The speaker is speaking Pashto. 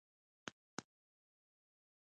پايله کې د اوبو جريان له ځان سره لاهو کوي.